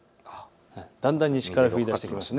だんだん西から降りだしてきます。